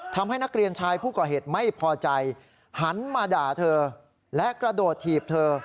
ทำให้นักเรียนชายผู้ก่อเหตุไม่พอใจหันมาด่าเธอและกระโดดถีบเธอ